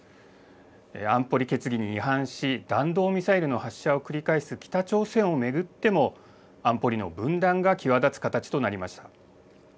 安保理決議に違反し、弾道ミサイルの発射を繰り返す北朝鮮を巡っても、安保理の分断が際立つ形となりました。